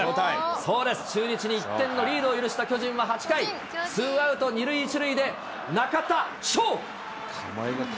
そうです、中日に１点のリードを許した巨人は８回、ツーアウト２塁１塁で中田翔。